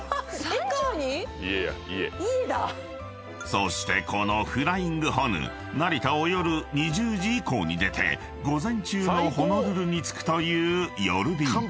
［そしてこのフライングホヌ成田を夜２０時以降に出て午前中のホノルルに着くという夜便］